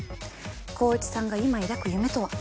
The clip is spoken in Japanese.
航一さんが今描く夢とは？